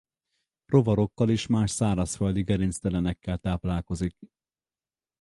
Rovarokkal és más szárazföldi gerinctelenekkel táplálkozik.